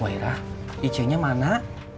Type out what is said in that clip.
wairah icunya mana